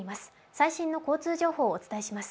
最新の交通情報をお伝えします。